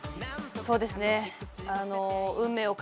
そうですね。